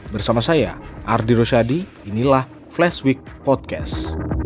bersama saya ardi rosyadi inilah flash week podcast